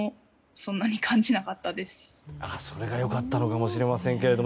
それが良かったのかもしれませんけれども。